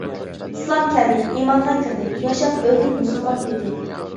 ئىسلام كەلدى ،ئىمانغا كىردى ، ياشاپ ئۆلدى مۇسۇلمان پېتى .